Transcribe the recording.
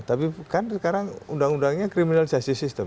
tapi kan sekarang undang undangnya kriminalisasi sistem